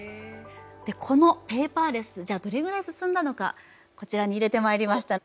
このペーパーレスじゃあどれぐらい進んだのかこちらに入れてまいりました。